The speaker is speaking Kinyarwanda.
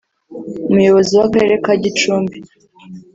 Umuyobozi w’Akarere ka Gicumbi